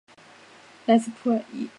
莱斯普埃。